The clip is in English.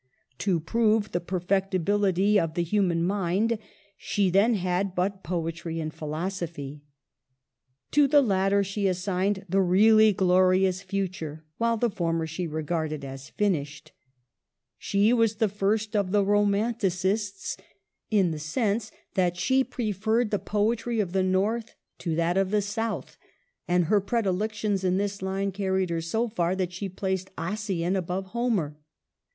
To prove the perfectibility of the human mind, she then had but poetry and philosophy. To the latter she assigned the really glorious future, while the former she regarded as finished. She was the first of the Romanticists, in the sense that she preferred the poetry of the north to that of the south ; and her predilections in this line carried her so far, that she placed Ossian above Homer.